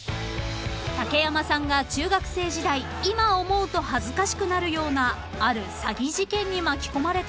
［竹山さんが中学生時代今思うと恥ずかしくなるようなある詐欺事件に巻き込まれたそうです］